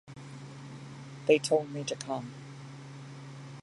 They told me to come.